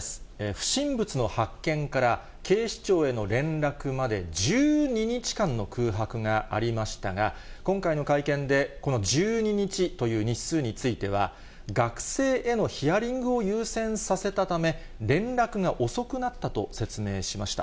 不審物の発見から警視庁への連絡まで、１２日間の空白がありましたが、今回の会見で、この１２日という日数については、学生へのヒアリングを優先させたため、連絡が遅くなったと説明しました。